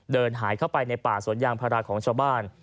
เดินหายเข้าไปในป่าสวนยางพาราของชาวบ้าน